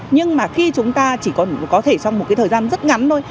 nhưng khi chúng ta chỉ có thể trong một thời gian rất ngắn thôi